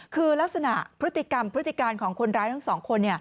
คือลักษณะพฤติกรรมพฤติการของคนร้ายทั้งสองคน